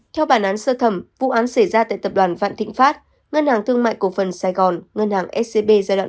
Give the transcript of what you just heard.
theo bản án sơ thẩm vụ án xảy ra tại tập đoàn vạn thịnh phát ngân hàng thương mại cổ phần sài gòn ngân hàng scb giai đoạn một